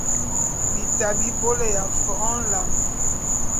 Bita bi bôlé ya fo’o nlam.